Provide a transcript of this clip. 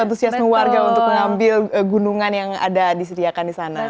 antusiasme warga untuk mengambil gunungan yang ada disediakan di sana